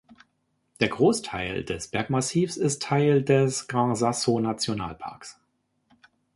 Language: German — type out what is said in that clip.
Der Großteil des Bergmassivs ist Teil des Gran-Sasso-Nationalparks.